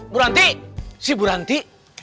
bu rante si bu rante